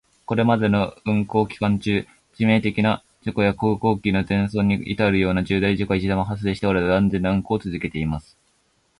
これまでの運航期間中、致命的な事故や航空機の全損に至るような重大事故は一度も発生しておらず、安全な運航を続けています。